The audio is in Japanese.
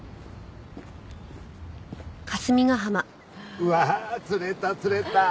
うわあ釣れた釣れた！